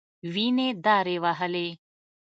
وينې دارې وهلې.